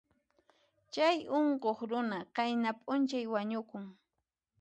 Chay unquq runa qayna p'unchay wañukun.